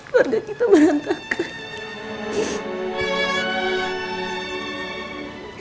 warga kita merantakan